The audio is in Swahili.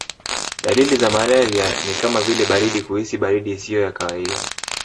Dalili za malaria ni kama vile baridi kuhisi baridi isiyo ya kawaida